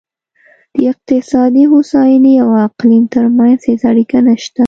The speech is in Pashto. د اقتصادي هوساینې او اقلیم ترمنځ هېڅ اړیکه نشته.